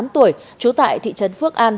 bốn mươi tám tuổi chú tại thị trấn phước an